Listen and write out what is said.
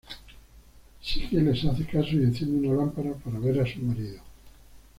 Psique les hace caso y enciende una lámpara para ver a su marido.